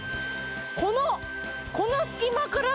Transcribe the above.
このこの隙間から！